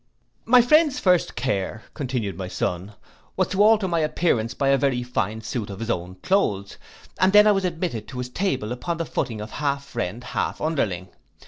'My friend's first care,' continued my son, 'was to alter my appearance by a very fine suit of his own cloaths, and then I was admitted to his table upon the footing of half friend, half underling.